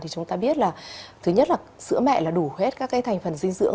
thì chúng ta biết là thứ nhất là sữa mẹ là đủ hết các thành phần dinh dưỡng